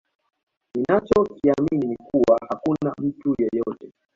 Ninacho kiamini ni kuwa hakuna mtu yeyote